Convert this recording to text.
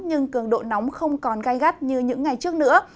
nhưng cường độ nóng không còn gai gắt như những ngày trước nữa